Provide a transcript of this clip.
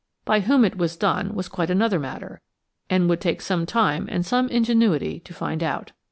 By whom it was done was quite another matter, and would take some time and some ingenuity to find out.